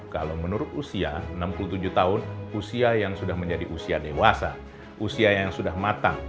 kalau menurut usia enam puluh tujuh tahun usia yang sudah menjadi usia dewasa usia yang sudah matang